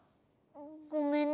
ごめんね。